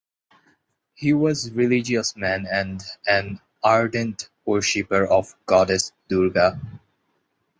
He was religious man and an ardent worshipper of Goddess Durga.